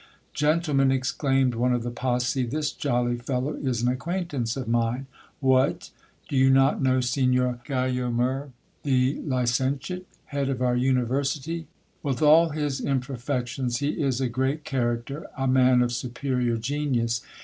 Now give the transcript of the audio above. Gentlemen, exclaimed one of the posse, this jolly fellow is an acquaintance of mine. What ! do you not know Signor Guyomer the licen tiate, head of our university ? With all his imperfections he is a great character, a man of superior genius.